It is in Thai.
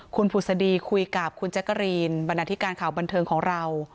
คุณผุศดีคุยกับคุณแจ๊กกะรีนบรรณาธิการข่าวบันเทิงของเรา